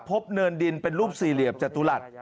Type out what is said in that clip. เนินดินเป็นรูปสี่เหลี่ยมจตุรัส